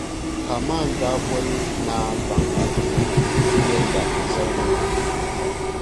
Haman daa boli naa gbaŋŋmariba na nti yɛli ba zaligu maa.